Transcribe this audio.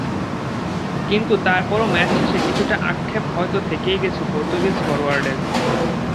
কিন্তু তারপরও ম্যাচ শেষে কিছুটা আক্ষেপ হয়তো থেকেই গেছে পর্তুগিজ ফরোয়ার্ডের।